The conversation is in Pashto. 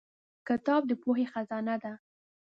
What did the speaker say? کتاب د پوهې خزانه ده.